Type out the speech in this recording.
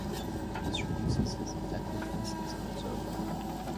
This reduces his effectiveness as an observer.